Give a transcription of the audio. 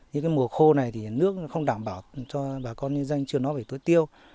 như mùa khô này thì nước không đảm bảo cho bà con nhân doanh chưa nói về tối tiêu